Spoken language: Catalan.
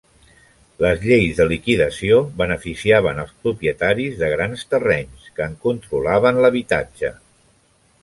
Les lleis de liquidació beneficiaven els propietaris de grans terrenys, que en controlaven l'habitatge.